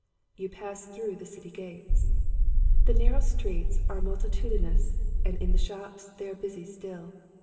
You pass through the city gates. The narrow streets are multi tudinous and in the shops they are busy still.